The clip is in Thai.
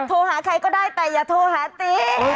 โทรหาใครก็ได้แต่อย่าโทรหาตี